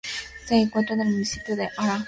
Se encuentra en el municipio de Aranjuez.